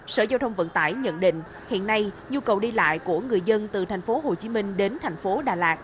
sở giao thông vận tải nhận định hiện nay nhu cầu đi lại của người dân từ tp hcm đến thành phố đà lạt